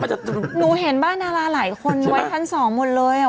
หนูเห็นบ้านดาราหลายคนไว้ชั้นสองหมดเลยอ่ะ